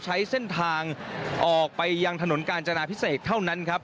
ใช้เส้นทางออกไปยังถนนกาญจนาพิเศษเท่านั้นครับ